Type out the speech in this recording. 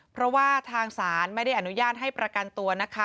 เพราะว่าทางศาลไม่ได้อนุญาตให้ประกันตัวนะคะ